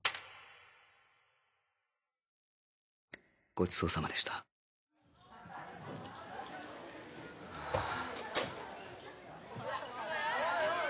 ごちそうさまでしたはあ。